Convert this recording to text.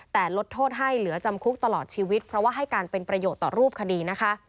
แต่ลดโทษให้เหลือจำคุกตลอดชีวิตเพราะว่าให้การเป็นประโยชน์ต่อรูปคดีนะคะ